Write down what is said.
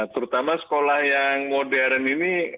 terutama sekolah yang modern ini